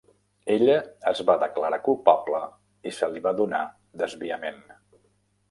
Ella es va declarar culpable i se li va donar desviament.